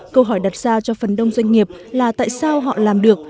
câu hỏi đặt ra cho phần đông doanh nghiệp là tại sao họ làm được